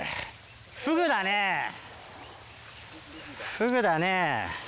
フグだね。